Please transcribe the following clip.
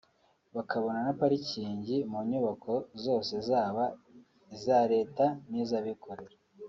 bakabona na parking mu nyubako zose zaba iza Leta n’iza abikorera